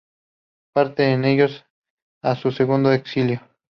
Parte con ellos a su segundo exilio.